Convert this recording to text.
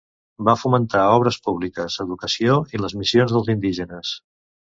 Va fomentar obres públiques, educació i les missions dels indígenes.